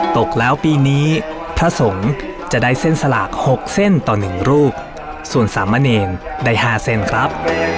ตกแล้วปีนี้พระสงฆ์จะได้เส้นสลาก๖เส้นต่อหนึ่งรูปส่วนสามเณรได้๕เส้นครับ